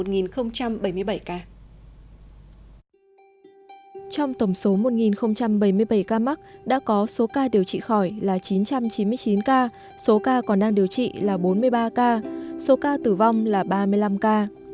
trong tổng số một bảy mươi bảy ca mắc đã có số ca điều trị khỏi là chín trăm chín mươi chín ca số ca còn đang điều trị là bốn mươi ba ca số ca tử vong là ba mươi năm ca